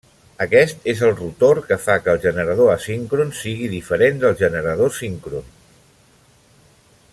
Aquest és el rotor que fa que el generador asíncron sigui diferent del generador síncron.